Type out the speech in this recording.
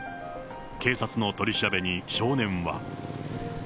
警察の取り調べに少年は。